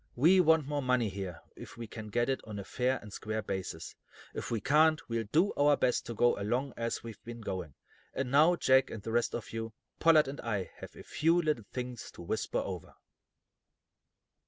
We want more money here, if we can get it on a fair and square basis. If we can't, we'll do our best to go along as we've been going. And now, Jack, and the rest of you, Pollard and I have a few little things to whisper over."